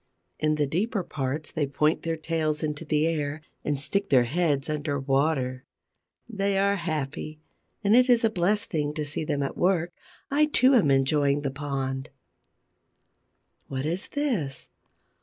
In the deeper parts they point their tails into the air and stick their heads under water. They are happy: and it is a blessed thing to see them at work. I too am enjoying the pond. What is this?